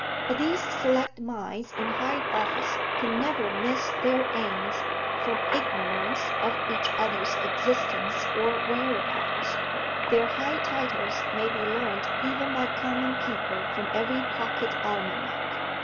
But these select minds in high office can never miss their aims from ignorance of each other's existence or whereabouts. Their high titles may be learned even by common people from every pocket almanac.